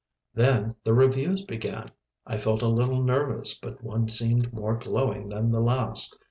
Then the reviews began. I felt a little nervous but one seemed more glowing than the last.